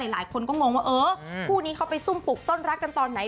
หลายคนเว้อคู่นี้เขาไปสุ่มปลุกต้นรักกันตอนไหน